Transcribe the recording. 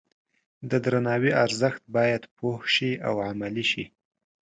د درناوي ارزښت باید پوه شي او عملي شي.